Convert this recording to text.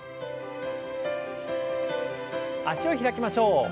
脚を開きましょう。